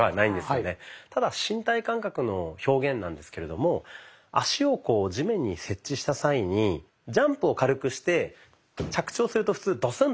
ただ身体感覚の表現なんですけれども足を地面に接地した際にジャンプを軽くして着地をすると普通ドスンと音しますよね。